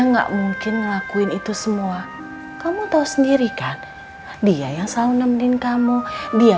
enggak mungkin ngelakuin itu semua kamu tahu sendiri kan dia yang selalu nemenin kamu dia